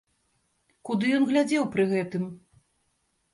Куды ён глядзеў пры гэтым?